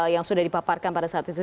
yang sudah dipaparkan pada saat itu